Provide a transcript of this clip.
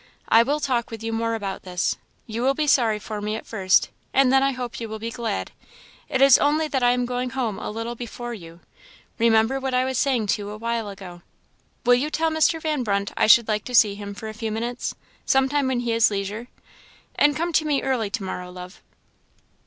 I will talk with you more about this. You will be sorry for me at first, and then I hope you will be glad. It is only that I am going home a little before you. Remember what I was saying to you a while ago. Will you tell Mr. Van Brunt I should like to see him for a few minutes, some time when he has leisure? And come to me early to morrow, love."